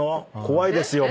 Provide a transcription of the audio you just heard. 怖いですよ